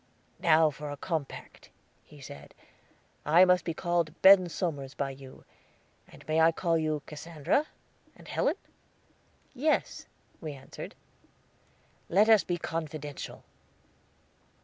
"Now for a compact," he said. "I must be called Ben Somers by you; and may I call you Cassandra, and Helen?" "Yes," we answered. "Let us be confidential."